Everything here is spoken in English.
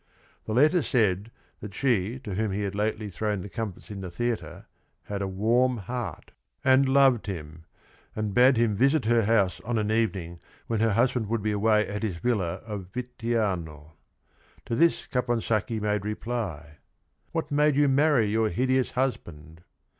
The letter said that she to whom he had lately thrown the comfits in the theatre had a warm heart, and loved him, and bade him visit her house on an evening when her husband would be away at his villa of Vittiano. To this Caponsacchi made reply: "What made you marry your hideous husband?"